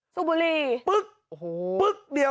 สูบบุรี